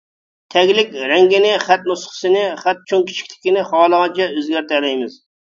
تەگلىك رەڭگىنى، خەت نۇسخىسىنى، خەت چوڭ كىچىكلىكىنى خالىغانچە ئۆزگەرتەلەيمىز.